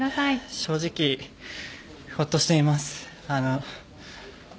正直ほっとしています。